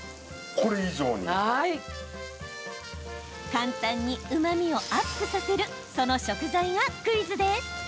簡単に、うまみをアップさせるその食材がクイズです。